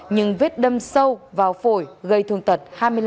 nhưng vết đâm sâu vào phổi gây thương tật hai mươi năm